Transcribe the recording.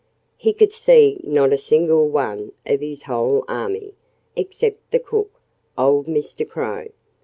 He could see not a single one of his whole army, except the cook, old Mr. Crow.